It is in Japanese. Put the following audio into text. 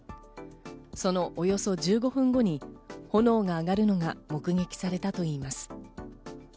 そのおよそ１５分後に炎が上がるのが目撃されたといいます。